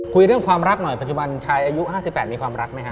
คุยเรื่องความรักหน่อยปัจจุบันชายอายุ๕๘มีความรักไหมฮ